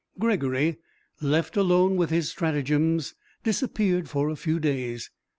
Gregory, left alone with his stratagems, disappeared for a few days.